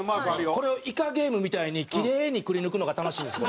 これを『イカゲーム』みたいにきれいにくり抜くのが楽しいんです。